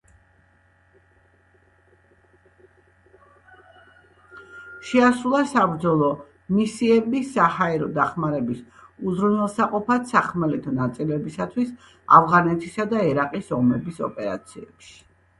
შეასრულა საბრძოლო მისიები საჰაერო დახმარების უზრუნველსაყოფად სახმელეთო ნაწილებისთვის ავღანეთისა და ერაყის ომების ოპერაციებში.